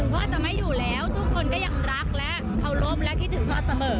พ่อจะไม่อยู่แล้วทุกคนก็ยังรักและเคารพและคิดถึงพ่อเสมอ